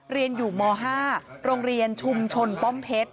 เรียนอยู่ม๕โรงเรียนชุมชนป้อมเพชร